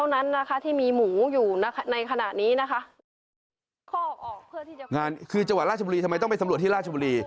งานคือจังหวัดล่าชบุรีทำไมต้องไปสำรวจที่ล่าชบุรี